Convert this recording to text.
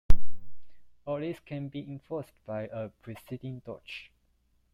All these can be enforced by a preceding "doch".